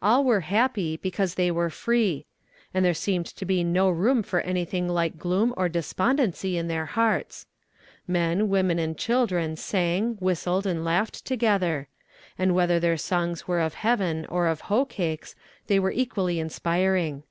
All were happy, because they were free and there seemed to be no room for anything like gloom or despondency in their hearts. Men, women, and children sang, whistled and laughed together and whether their songs were of heaven, or of hoe cakes, they were equally inspiring.